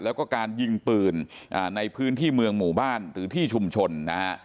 แล้วก็การยิงปืนในพื้นที่เมืองหมู่บ้านหรือที่ชุมชนนะฮะ